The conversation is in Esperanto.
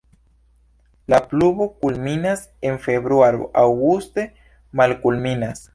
La pluvo kulminas en februaro, aŭguste malkulminas.